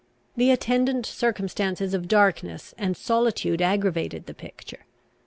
The attendant circumstances of darkness and solitude aggravated the picture.